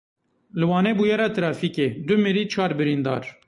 Li Wanê bûyera trafîkê du mirî, çar birîndar.